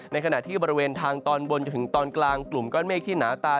ในขณะที่บริเวณทางตอนบนจนถึงตอนกลางกลุ่มก้อนเมฆที่หนาตา